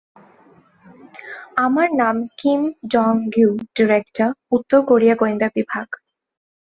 আমার নাম Kim Donggyu, director, উত্তর কোরিয়া গোয়েন্দা বিভাগ।